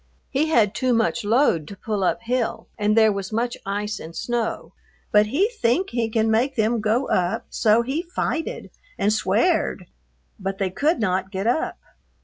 he had too much load to pull up hill and there was much ice and snow but he think he can make them go up so he fighted and sweared but they could not get up.